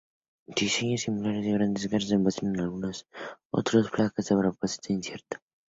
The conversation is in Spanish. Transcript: Diseños similares de grandes caras se encuentran en algunas otras placas de propósito incierto.